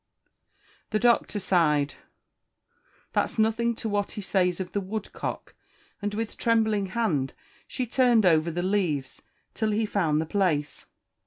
The Doctor sighed: "That's nothing to what he says of the woodcock:" and with trembling hand she turned over the leaves, till he found the place.